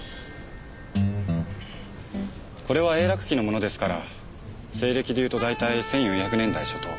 これは永楽期のものですから西暦でいうと大体１４００年代初頭。